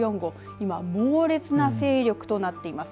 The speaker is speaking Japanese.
今、猛烈な勢力となっています。